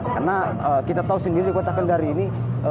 karena kita tahu sendiri di kota kendari ini